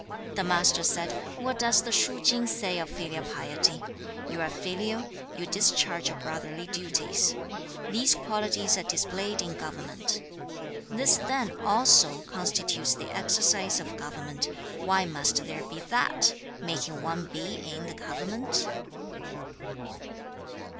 The Master said, 'What does the Shu ching say of filial piety? "You are filial, you discharge your brotherly duties. These qualities are displayed in government." This then also constitutes the exercise of government. Why must there be THAT making one be in the government?'